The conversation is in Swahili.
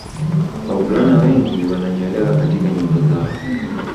Wavulana wengi wananyolewa katika nyumba zao